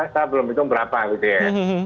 saya belum hitung berapa gitu ya